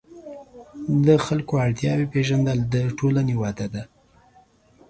د خلکو اړتیاوې پېژندل د ټولنې وده ده.